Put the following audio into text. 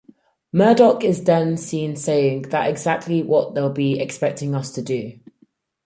Murdock is then seen saying That's exactly what they'll be expecting us to do!